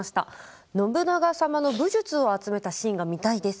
信長様の武術を集めたシーンが見たいです。